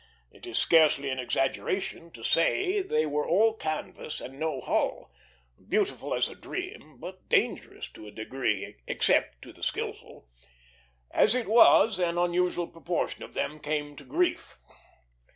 It is scarcely an exaggeration to say they were all canvas and no hull beautiful as a dream, but dangerous to a degree, except to the skilful. As it was, an unusual proportion of them came to grief.